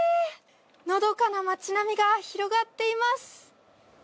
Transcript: のどかな街並みが広がっています。